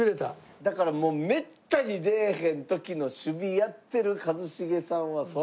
だからめったに出ぇへん時の守備やってる一茂さんはそら。